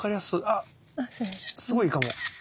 あっすごいいいかも。